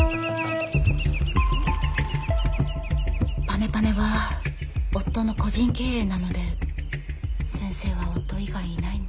パネパネは夫の個人経営なので先生は夫以外いないんです。